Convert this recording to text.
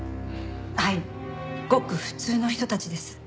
はいごく普通の人たちです。